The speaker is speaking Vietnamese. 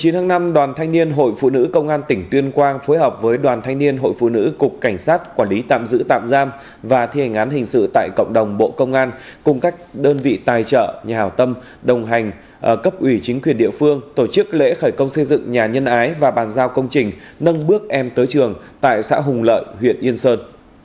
trong năm đoàn thanh niên hội phụ nữ công an tỉnh tuyên quang phối hợp với đoàn thanh niên hội phụ nữ cục cảnh sát quản lý tạm giữ tạm giam và thi hành án hình sự tại cộng đồng bộ công an cùng các đơn vị tài trợ nhà hào tâm đồng hành cấp ủy chính quyền địa phương tổ chức lễ khởi công xây dựng nhà nhân ái và bàn giao công trình nâng bước em tới trường tại xã hùng lợi huyện yên sơn